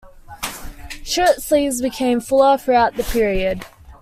Shirt sleeves became fuller throughout the period.